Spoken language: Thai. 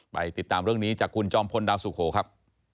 ไปติดตามเรื่องนี้จากคุณจอมพลดาวสุโขครับ